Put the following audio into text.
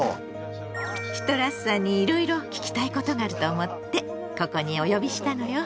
シトラスさんにいろいろ聞きたいことがあると思ってここにお呼びしたのよ。